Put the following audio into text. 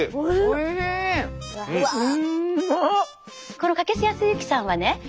この掛須保之さんはね